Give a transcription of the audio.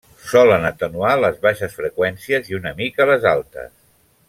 Solen atenuar les baixes freqüències i una mica les altes.